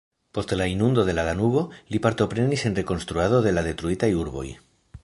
Post la Inundo de la Danubo li partoprenis en rekonstruado de la detruitaj urboj.